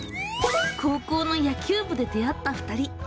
高校の野球部で出会った２人。